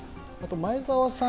前澤さん